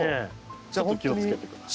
ちょっと気をつけて下さい。